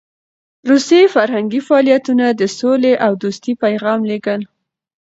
روسي فرهنګي فعالیتونه د سولې او دوستۍ پیغام لېږل.